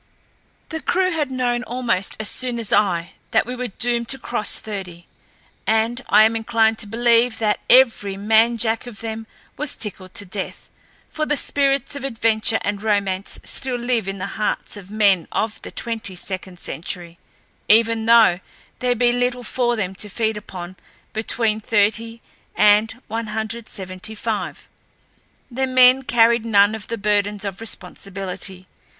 The crew had known almost as soon as I that we were doomed to cross thirty, and I am inclined to believe that every man jack of them was tickled to death, for the spirits of adventure and romance still live in the hearts of men of the twenty second century, even though there be little for them to feed upon between thirty and one hundred seventy five. The men carried none of the burdens of responsibility.